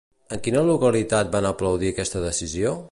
En quina localitat van aplaudir aquesta decisió?